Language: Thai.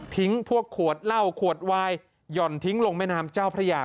พวกขวดเหล้าขวดวายหย่อนทิ้งลงแม่น้ำเจ้าพระยา